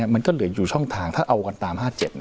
มันก็เหลืออยู่ช่องทางถ้าเอากันตาม๕๗